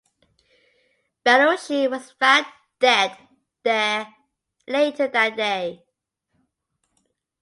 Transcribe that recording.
Belushi was found dead there later that day.